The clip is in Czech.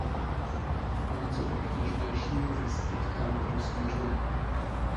O něco obtížnější je zjistit, kam kdo směřuje.